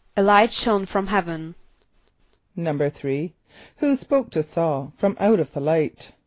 =A light shone from heaven.= =3.= Who spoke to S[a:]ul from out of the light?